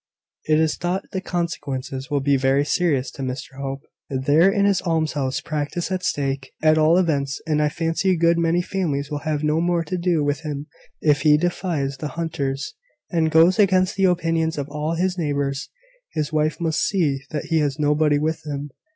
It is thought the consequences will be very serious to Mr Hope. There is his almshouse practice at stake, at all events; and I fancy a good many families will have no more to do with him if he defies the Hunters, and goes against the opinions of all his neighbours. His wife must see that he has nobody with him.